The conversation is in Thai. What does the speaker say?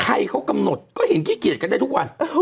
ใครเขากำหนดก็เห็นขี้เกียจกันได้ทุกวัน